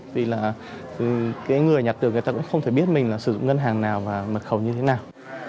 vì là người nhặt được người ta cũng không thể biết mình sử dụng ngân hàng nào và mật khẩu như thế nào